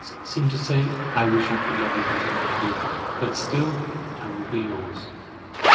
seemed to say—"I wish I could love you better than I do, but still I will be yours."